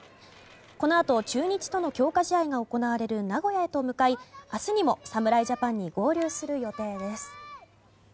このあと中日との強化試合が行われる名古屋へと向かい明日にも侍ジャパンに合流する予定です。